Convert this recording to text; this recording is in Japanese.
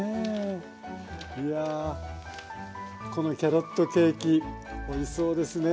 いやこのキャロットケーキおいしそうですね。